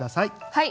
はい！